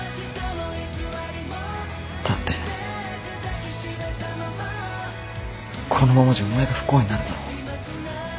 だってこのままじゃお前が不幸になるだろ。